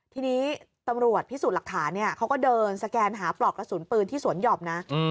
ทีนี้ตำรวจพิสูจน์หลักฐานเขาก็เดินสแกนหาปลอกกระสุนปืนที่สวนหย่อมนะ